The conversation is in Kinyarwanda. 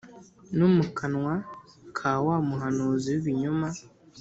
no mu kanwa ka wa muhanuzi w’ibinyoma,